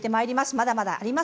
まだまだあります